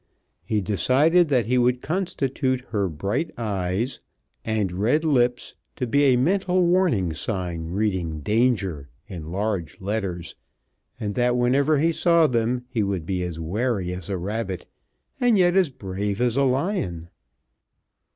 He decided that he would constitute her bright eyes and red lips to be a mental warning sign reading "Danger" in large letters, and that whenever he saw them he would be as wary as a rabbit and yet as brave as a lion.